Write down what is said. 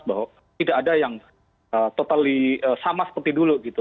bahwa tidak ada yang totally sama seperti dulu gitu